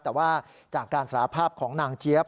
แต่ว่าจากการสารภาพของนางเจี๊ยบ